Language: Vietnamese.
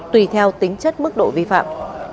tùy theo tính chất mức độ vi phạm